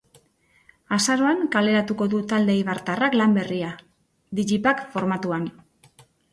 Azaroan kaleratuko du talde eibartarrak lan berria, digipack formatu.